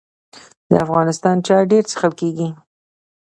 د افغانستان چای ډیر څښل کیږي